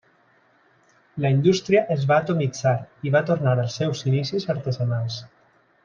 La indústria es va atomitzar i va tornar als seus inicis artesanals.